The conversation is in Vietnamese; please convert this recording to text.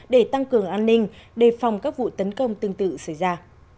để tăng cường an ninh đề phòng các vụ tấn công tương tự xảy ra